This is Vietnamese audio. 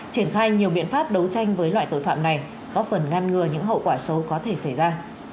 triển khai nhiều biện pháp đấu tranh với loại tội phạm này góp phần ngăn ngừa những hậu quả xấu có thể xảy ra